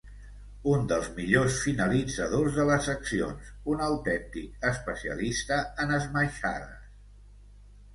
És un dels millors finalitzadors de les accions, un autèntic especialista en esmaixades.